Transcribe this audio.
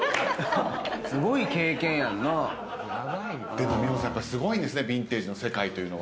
でも美穂さんすごいんですねビンテージの世界というのは。